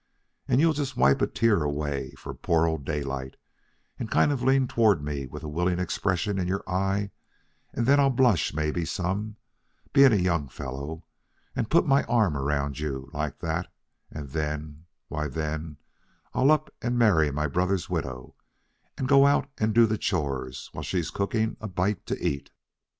And you'll just wipe a tear away for poor old Daylight, and kind of lean toward me with a willing expression in your eye, and then I'll blush maybe some, being a young fellow, and put my arm around you, like that, and then why, then I'll up and marry my brother's widow, and go out and do the chores while she's cooking a bite to eat."